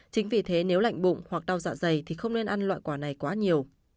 chính vì thế nếu lạnh bụng hoặc đau dạ dày thì không nên ăn loại quả này quá nhiều